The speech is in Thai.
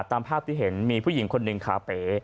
ตามภาพที่เห็นมีผู้หญิงคนหนึ่งขาเป๋